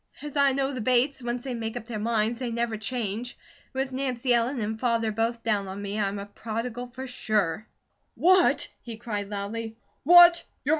As I know the Bates, once they make up their minds, they never change. With Nancy Ellen and Father both down on me, I'm a prodigal for sure." "What?" he cried, loudly. "What?